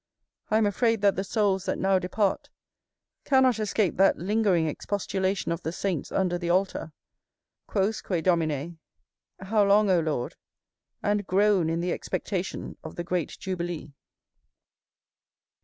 I am afraid that the souls that now depart cannot escape that lingering expostulation of the saints under the altar, "quousque, Domine?" how long, O Lord? and groan in the expectation of the great jubilee.